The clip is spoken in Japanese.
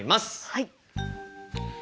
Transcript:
はい。